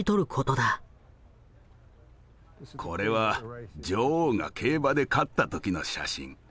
これは女王が競馬で勝った時の写真。